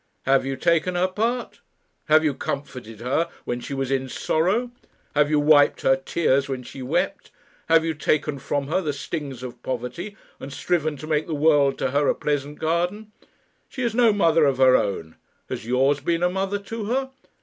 "Have you taken her part? Have you comforted her when she was in sorrow? Have you wiped her tears when she wept? Have you taken from her the stings of poverty, and striven to make the world to her a pleasant garden? She has no mother of her own. Has yours been a mother to her?